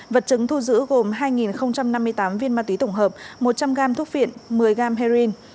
vật chứng thu giữ gồm hai năm mươi tám viên ma túy tổng hợp một trăm linh gam thuốc viện một mươi gam heroin